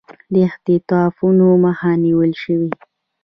د اختطافونو مخه نیول شوې